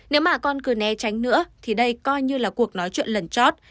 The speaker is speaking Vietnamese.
nếu mà con cứ né tránh nữa thì đây coi như là cuộc nói chuyện lẩn chót